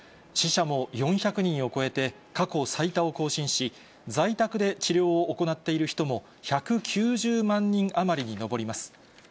死者も４００人を超えて、過去最多を更新し、在宅で治療を行っている人も１９０万人余りに上ります。